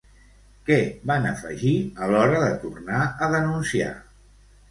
Què van afegir a l'hora de tornar a denunciar?